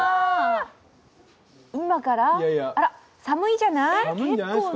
今から、寒いじゃない？